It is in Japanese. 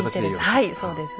はいそうです。